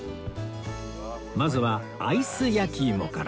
まずはアイス焼いもから